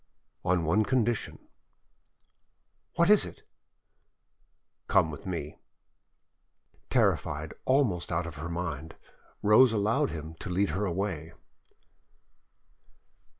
"On one condition." "What is it?" "Come with me." Terrified almost out of her mind, Rose allowed him to lead her away.